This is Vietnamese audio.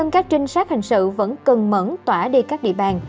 các trinh sát hành sự vẫn cần mẩn tỏa đi các địa bàn